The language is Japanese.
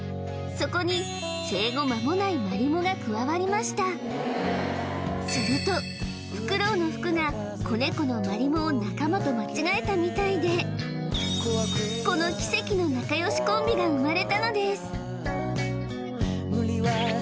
そこに生後間もないマリモが加わりましたするとフクロウのフクが子ネコのマリモを仲間と間違えたみたいでこの奇跡の仲良しコンビが生まれたのです